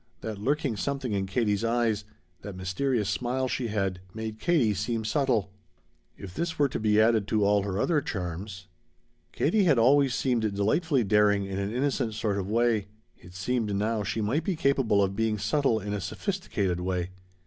That lurking something in Katie's eyes, that mysterious smile she had, made Katie seem subtle. If this were to be added to all her other charms Katie had always seemed delightfully daring in an innocent sort of way. It seemed now she might be capable of being subtle in a sophisticated way.